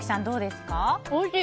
おいしい！